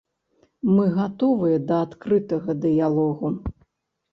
Мы гатовыя да адкрытага дыялогу.